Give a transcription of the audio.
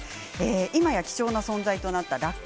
今や貴重な存在となったラッコ。